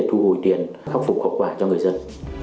để có thể gửi tiền khắc phục khẩu quả cho người dân